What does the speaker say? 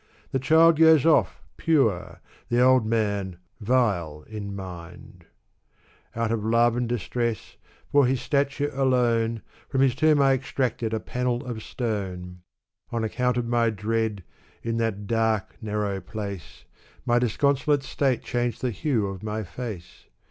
The child goes off pure, the old man, vile in mind !" Out of love and distress, for his stature alone. From his tomb I extracted a panel of stone. On account of my dread, in that dark, narrow place. My disconsolate state changed the hue of my face.